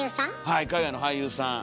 はい海外の俳優さん。